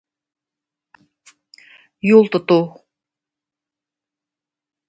Юл тоту.